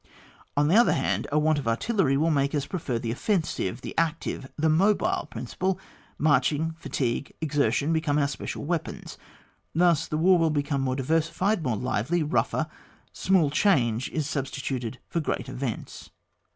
On the other hand, a want of artillery will make us prefer the offensive, the active, the mobile principle ; marching, fatigue, exertion, become our special weapons, thus the war will become more diversified, more lively, rougher; small change is substituted for great events.